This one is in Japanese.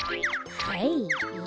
はい。